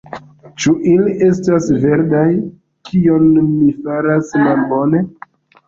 Ĉu ili estas verdaj? Kion mi faras malbone?